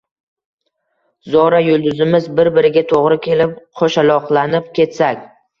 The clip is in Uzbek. Zora, yulduzimiz bir-biriga to‘g‘ri kelib, qo‘shaloqlanib ketsak